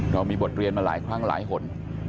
เรามีบทเรียนมาหลายครั้งหลายคน